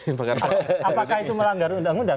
apakah itu melanggar undang undang